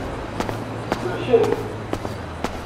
Selken.